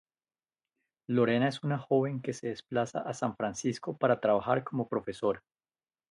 Lorena es una joven que se desplaza a San Francisco para trabajar como profesora.